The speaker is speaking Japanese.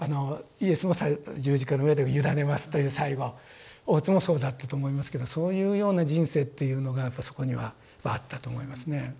イエスも十字架の上で委ねますという最期大津もそうだったと思いますけどそういうような人生っていうのがやっぱそこにはあったと思いますね。